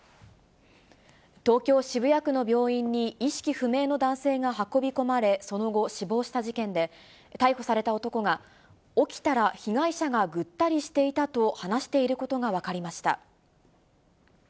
東京・渋谷区の病院に、意識不明の男性が運び込まれ、その後、死亡した事件で、逮捕された男が、起きたら被害者がぐったりしていたと話していることが分かりました。